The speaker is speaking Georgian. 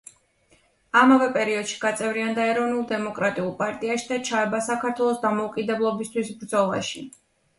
ამავე პერიოდში გაწევრიანდა ეროვნულ–დემოკრატიულ პარტიაში და ჩაება საქართველოს დამოუკიდებლობისთვის ბრძოლაში.